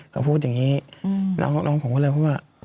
เขาพูดอย่างนี้น้องผมก็เลยว่า